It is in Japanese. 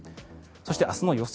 そして、明日の予想